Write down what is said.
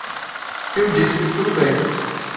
Eu disse que tudo bem.